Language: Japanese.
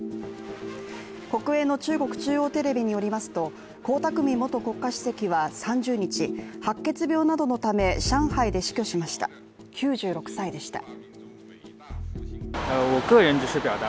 国営の中国中央テレビによりますと江沢民元国家主席は３０日、白血病などのため、上海で死去しました９６歳でした。